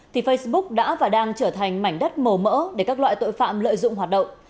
thì facebook đã và đang trở thành mảnh đất màu mỡ để các loại tội phạm lợi dụng hoạt động